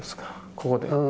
ここで。